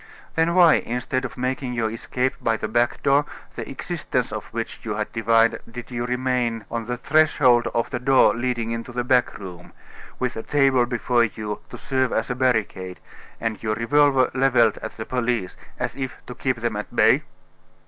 "Then why, instead of making your escape by the back door, the existence of which you had divined, did you remain on the threshold of the door leading into the back room, with a table before you to serve as a barricade, and your revolver leveled at the police, as if to keep them at bay?"